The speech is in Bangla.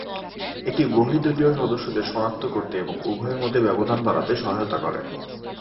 এটি বহিঃদলীয় সদস্যদের সনাক্ত করতে এবং উভয়ের মধ্যে ব্যবধান বাড়াতে সহায়তা করে।